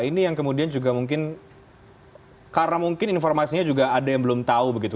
ini yang kemudian juga mungkin karena mungkin informasinya juga ada yang belum tahu begitu